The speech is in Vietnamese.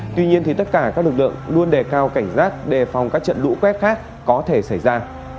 tuy nhiên tất cả các lực lượng luôn đề cao cảnh giác đề phòng các trận lũ quét khác có thể xảy ra